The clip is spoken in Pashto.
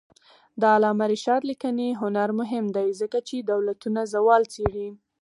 د علامه رشاد لیکنی هنر مهم دی ځکه چې دولتونو زوال څېړي.